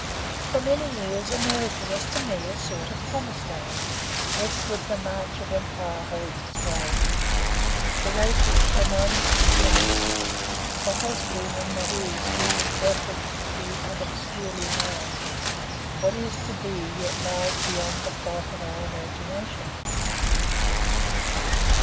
For many years America was to me a sort of promised land; 'westward the march of empire holds its way'; the race is for the moment to the young; what has been and what is we imperfectly and obscurely know; what is to be yet lies beyond the flight of our imaginations.